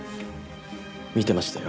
見てましたよ